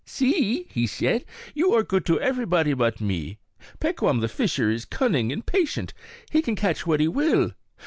"See," he said, "you are good to everybody but me. Pekquam the fisher is cunning and patient; he can catch what he will.